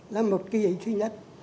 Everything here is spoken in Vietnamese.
là một kỳ ý thứ nhất